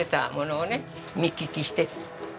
見聞きして。